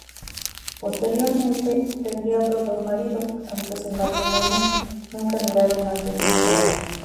Posteriormente tendría otros dos maridos, aunque sus matrimonios nunca duraron más de cinco años.